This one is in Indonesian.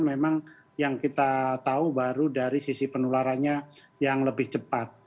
memang yang kita tahu baru dari sisi penularannya yang lebih cepat